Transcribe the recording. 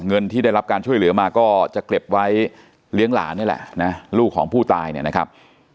เงินที่ได้รับการช่วยเหลือมาก็จะเก็บไว้เลี้ยงหลานนี่แหละนะลูกของผู้ตายเนี่ยนะครับ